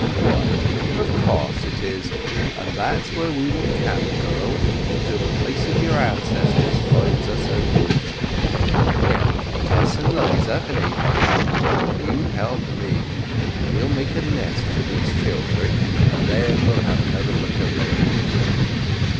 "Why, of course 'tis, and that's where we will camp, girls, till the place of your ancestors finds us a roof! Now, Tess and 'Liza and Abraham, you help me. We'll make a nest for these children, and then we'll have another look round."